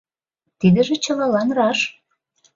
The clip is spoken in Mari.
Тидыже чылалан раш.